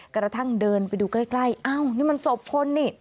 กระทั่งเดินไปดูใกล้อ้าวนี่มันศพคนนี่